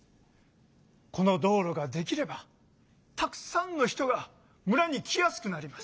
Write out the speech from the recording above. この道路ができればたくさんの人が村に来やすくなります。